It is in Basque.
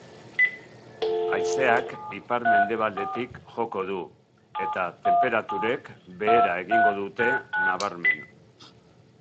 Haizeak ipar-mendebaldetik joko du, eta tenperaturek behera egingo dut, nabarmen.